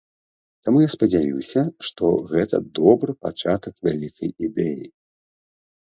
Таму я спадзяюся, што гэта добры пачатак вялікай ідэі.